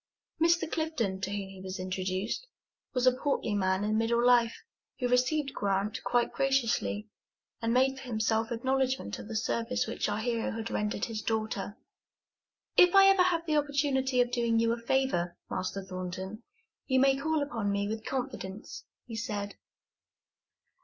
Mr. Clifton, to whom he was introduced, was a portly man in middle life, who received Grant quite graciously, and made for himself acknowledgment of the service which our hero had rendered his daughter. "If I ever have the opportunity of doing you a favor, Master Thornton, you may call upon me with confidence," he said.